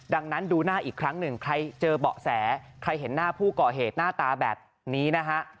ดังนั้นดูหน้าอีกครั้งหนึ่งใครเจอเบาะแสใครเห็นหน้าผู้ก่อเหตุหน้าตาแบบนี้นะฮะ